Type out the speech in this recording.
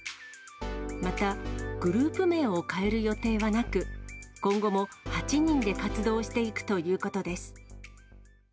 また、グループ名を変える予定はなく、今後も８人で活動していくということです。